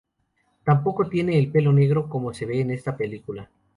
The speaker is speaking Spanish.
Tampoco tiene el pelo negro como se ve en esta película.